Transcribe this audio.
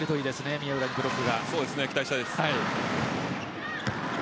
宮浦にブロックが。